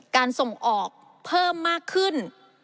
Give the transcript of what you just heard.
การส่งออกเพิ่มมากขึ้น